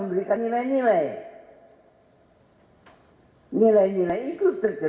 nanti saya ingin beritahu